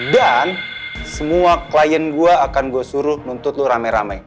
dan semua klien gue akan gue suruh nuntut lo rame rame